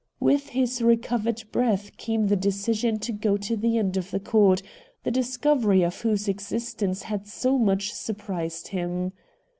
With his recovered breath came the decision to go to the end of the court, the discovery of whose existence had so much surprised him.